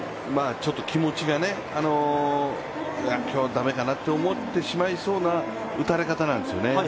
ちょっと気持ちがね、今日ダメかなと思ってしまいそうな打たれ方なんですよね。